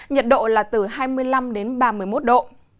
nhiệt độ là từ hai mươi năm đến ba mươi một độ